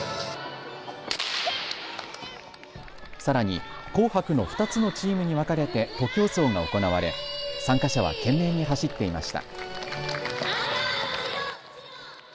さらに紅白の２つのチームに分かれて徒競走が行われ参加者は懸命に走っていました。